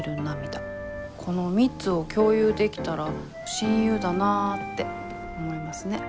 この３つを共有できたら「親友だなぁ」って思いますね。